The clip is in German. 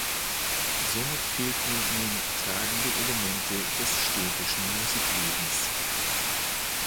Somit fehlten nun tragende Elemente des städtischen Musiklebens.